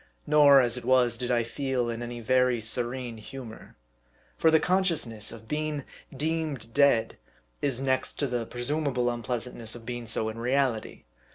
Nor, as it was, did I feel in any very serene humor. For the consciousness of being deemed dead, is next to the presumable unpleasantness of being so in reality.